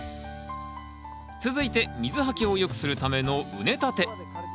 続いて水はけをよくするための畝立て。